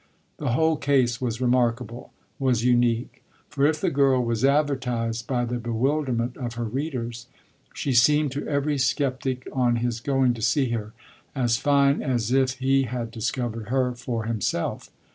The whole case was remarkable, was unique; for if the girl was advertised by the bewilderment of her readers she seemed to every sceptic, on his going to see her, as fine as if he had discovered her for himself.